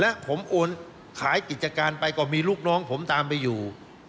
และผมโอนขายกิจการไปก็มีลูกน้องผมตามไปอยู่